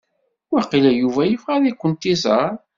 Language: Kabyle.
Waqila Yuba ibɣa ad akent-iẓer.